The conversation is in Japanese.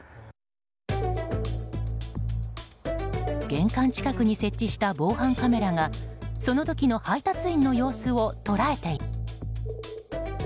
玄関近くに設置した防犯カメラがその時の配達員の様子を捉えていました。